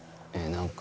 何か。